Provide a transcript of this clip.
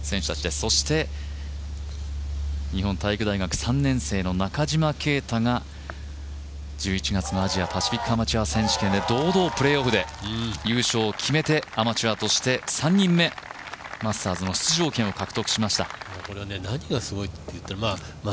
そして日本体育大学３年生の中島啓太が１１月のアジアパシフィックアマチュア選手権で優勝を決めてアマチュアとして３人目マスターズの出場権を獲得しました。